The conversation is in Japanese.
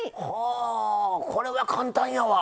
はあこれは簡単やわ。